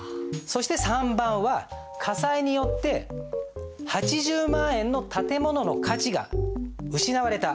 そして３番は火災によって８０万円の建物の価値が失われた。